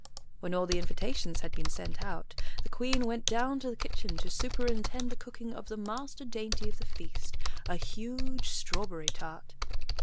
When all the invitations had been sent out, the Queen went down to the kitchen to superintend the cooking of the master dainty of the feast, a huge strawberry tart.